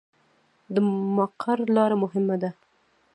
د مقر لاره مهمه ده